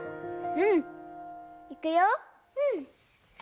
うん。